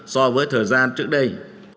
so với thời gian trước đây